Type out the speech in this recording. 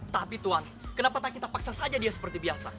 tapi tuan kenapa tak kita paksa saja dia seperti biasa